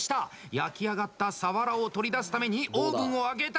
焼き上がったさわらを取り出すためにオーブンを開けた！